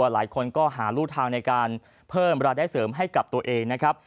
หลายคนก็หารูทางในการเพิ่มรายได้เสริมให้กับตัวเองนะครับ